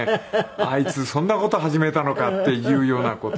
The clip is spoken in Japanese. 「あいつそんな事を始めたのか」っていうような事。